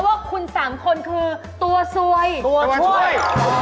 อย่าบอกนะคะว่าคุณสามคนคือตัวสวยตัวช่วย